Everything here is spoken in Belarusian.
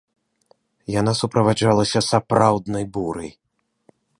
Яна суправаджалася сапраўднай бурай.